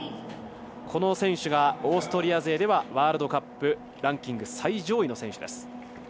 この選手がオーストリア勢ではワールドカップランキング最上位の選手です。